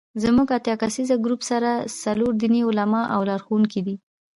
زموږ اتیا کسیز ګروپ سره څلور دیني عالمان او لارښوونکي دي.